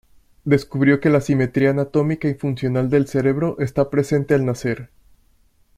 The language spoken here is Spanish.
Descubrió que la asimetría anatómica y funcional del cerebro está presente al nacer.